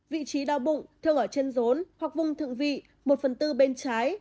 vị trí đau bụng thường ở chân rốn hoặc vùng thượng vị một phần tư bên trái